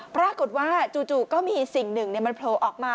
ปรากฏว่าจู่ก็มีสิ่งหนึ่งมันโผล่ออกมา